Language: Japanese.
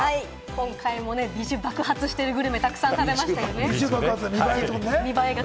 今回もビジュが爆発しているグルメ、たくさん食べましたよね。